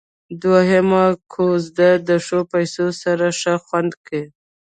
دوهمه کوزده د ښو پيسو سره ښه خوند کيي.